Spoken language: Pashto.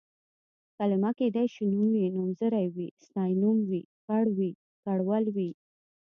کلمه کيدای شي نوم وي، نومځری وي، ستاینوم وي، کړ وي، کړول وي...